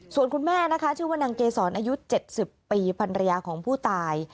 ส่วนคุณแม่นะคะชื่อว่านางเกษรอายุ๗๐ปีพันรยาของผู้ตาย